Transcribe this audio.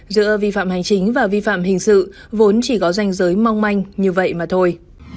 giữa vi phạm hành chính và vi phạm hình sự vốn chỉ có danh giới mong manh như vậy mà thôi